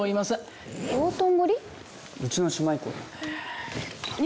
うちの姉妹校だよ。